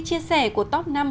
chúc mừng năm mới